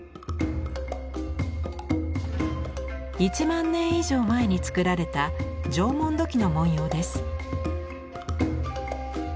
１万年以上前に作られた縄文土器の文様です。